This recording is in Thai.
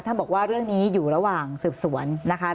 บอกว่าเรื่องนี้อยู่ระหว่างสืบสวนนะคะ